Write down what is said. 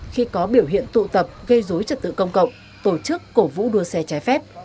khi có biểu hiện tụ tập gây dối trật tự công cộng tổ chức cổ vũ đua xe trái phép